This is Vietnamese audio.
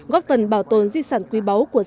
góp phần bảo tồn di sản quý báu của dân tộc